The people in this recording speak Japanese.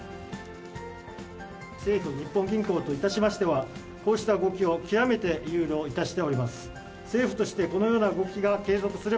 政府・日本銀行といたしましては、こうした動きを極めて憂慮いたしております。